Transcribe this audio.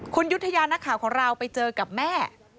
คุณยุธยานักข่าวของเราไปเจอกับแม่